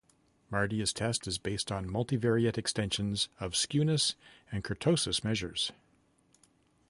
Mardia's test is based on multivariate extensions of skewness and kurtosis measures.